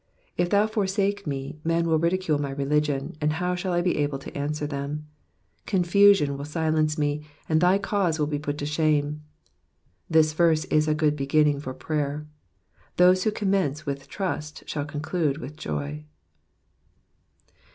If thou forsake me, men will ridicule my religion, and how shall 1 be able to answer them ? Confusion will silence me, and thy cause will be put to shame. This verse is a good beginning for prayer ; those who commence with trust shall conclude with joy.